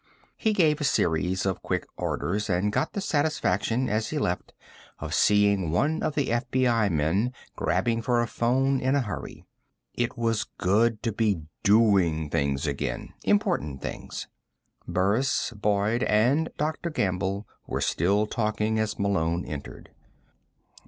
He gave a series of quick orders, and got the satisfaction, as he left, of seeing one of the FBI men grabbing for a phone in a hurry. It was good to be doing things again, important things. Burris, Boyd and Dr. Gamble were still talking as Malone entered.